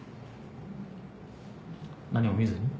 何も見ずに？